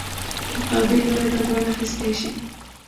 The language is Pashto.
مقابل لوری باید وانخیستی شي.